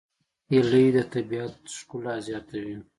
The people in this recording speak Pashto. هیلۍ د طبیعت ښکلا زیاتوي